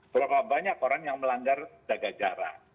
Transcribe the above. berapa banyak orang yang melanggar jaga jarak